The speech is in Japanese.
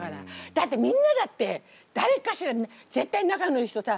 だってみんなだって誰かしら絶対仲のいい人さ